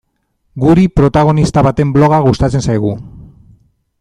Guri, protagonista baten bloga gustatzen zaigu.